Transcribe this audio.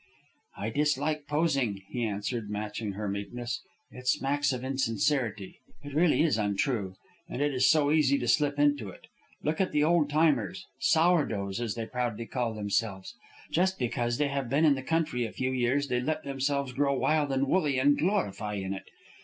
"I dislike posing," he answered, matching her meekness. "It smacks of insincerity; it really is untrue. And it is so easy to slip into it. Look at the old timers, 'sour doughs' as they proudly call themselves. Just because they have been in the country a few years, they let themselves grow wild and woolly and glorify in it.